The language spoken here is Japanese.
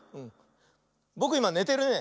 ぼくいまねてるね。